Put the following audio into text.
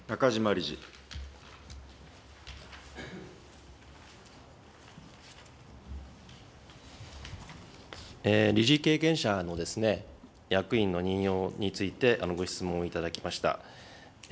理事経験者の役員の任用についてご質問をいただきました。